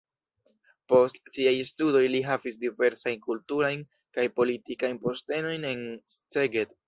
Post siaj studoj li havis diversajn kulturajn kaj politikajn postenojn en Szeged.